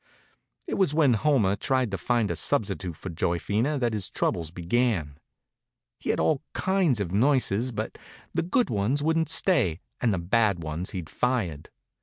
It was when Homer tried to find a substitute for Joyphena that his troubles began. He'd had all kinds of nurses, but the good ones wouldn't stay and the bad ones he'd fired.